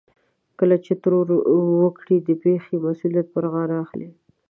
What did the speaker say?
کله چې ترور وکړي د پېښې مسؤليت پر غاړه اخلي.